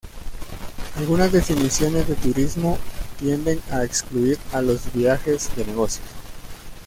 Algunas definiciones de turismo tienden a excluir a los viajes de negocios.